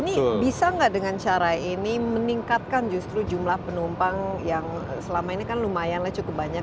ini bisa nggak dengan cara ini meningkatkan justru jumlah penumpang yang selama ini kan lumayan lah cukup banyak